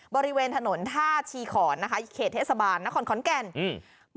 บริเวณถนนท่าชีขอนนะคะเขตเทศบาลนครขอนแก่นอืม